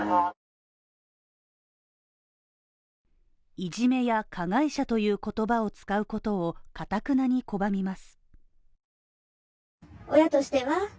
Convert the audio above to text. いじめや加害者という言葉を使うことを頑なに拒みます。